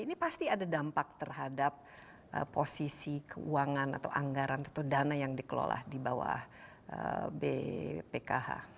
ini pasti ada dampak terhadap posisi keuangan atau anggaran atau dana yang dikelola di bawah bpkh